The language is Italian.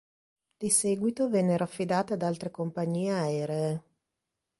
Di seguito vennero affidate ad altre compagnie aeree.